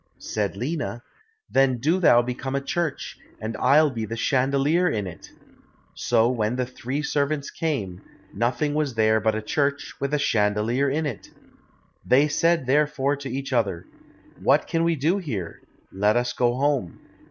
Said Lina, "Then do thou become a church, and I'll be the chandelier in it." So when the three servants came, nothing was there but a church, with a chandelier in it. They said therefore to each other, "What can we do here, let us go home."